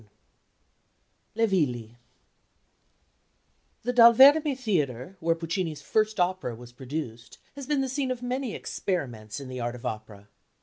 IV "LE VILLI" The Dal Verme Theatre, where Puccini's first opera was produced, has been the scene of many experiments in the art of opera.